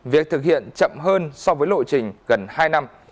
việc thực hiện chậm hơn so với lộ trình gần hai năm